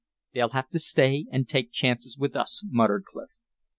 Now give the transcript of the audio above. "They'll have to stay and take chances with us," muttered Clif.